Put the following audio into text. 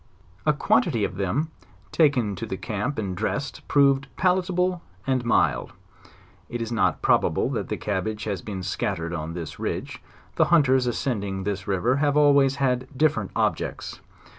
A quantity of them taken to the camp and dressed, proved palitable and mild. It is not probable that cabbage has been scattered on this ridge; the hunters ascend ing this river have always had different objects.